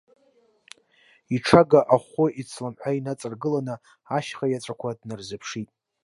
Иҽага ахәы ицламҳәа инаҵаргыланы ашьха иаҵәақәа днарзыԥшит.